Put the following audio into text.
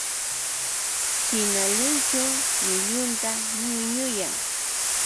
China luychun llullunta ñuñuyan.